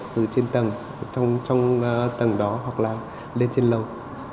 từ trên tầng trong tầng đó hoặc là lên trên lầu